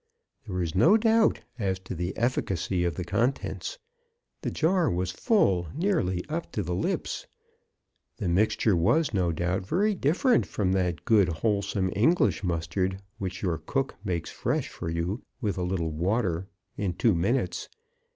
There was no doubt as to the sufficiency of the contents. The jar was full nearly up to the lips. The mixture was, no doubt, very differ ent from that good, wholesome English mustard which your cook makes fresh for you, with a little water, in two minutes.